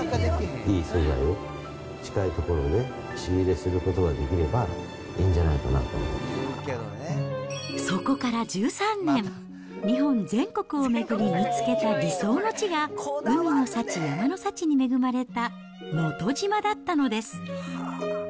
いい素材を近い所で仕入れすることができればいいんじゃないそこから１３年、日本全国を巡り、見つけた理想の地が、海の幸、山の幸に恵まれた能登島だったのです。